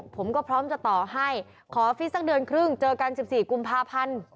ผมก็พร้อมจะต่อให้ขอฟิตสักเดือนครึ่งเจอกัน๑๔กุมภาพันธ์